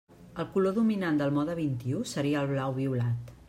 El color dominant del mode vint-i-u seria el blau violat.